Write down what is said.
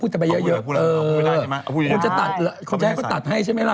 ตัดให้ใช่ไหมล่ะ